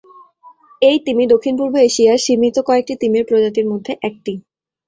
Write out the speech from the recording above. এই তিমি দক্ষিণ পূর্ব এশিয়ার সীমিত কয়েকটি তিমির প্রজাতির মধ্যে একটি।